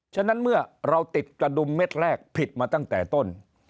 ฉะนั้นเมื่อเราติดกระดุมเม็ดแรกผิดมาตั้งแต่ต้น